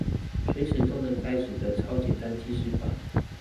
隨時都能開始的超簡單記事法